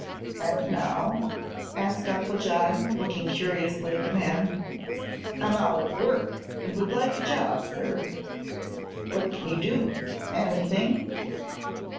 "And now? asked Uncle John, looking curiously at the man. "I'm out of work and would like a job, sir." "What can you do?" "Anything."